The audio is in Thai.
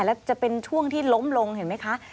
แล้วจะเป็นช่วงที่ล้มลงเห็นไหมคะ